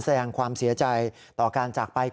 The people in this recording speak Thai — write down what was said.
แสดงความเสียใจต่อการจากไป